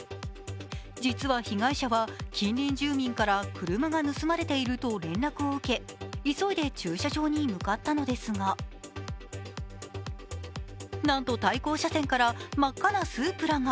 実は被害者は近隣住民から車が盗まれていると連絡を受け急いで駐車場に向かったのですがなんと、対向車線から真っ赤なスープラが。